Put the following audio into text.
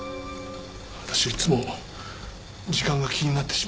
私いつも時間が気になってしまうんです。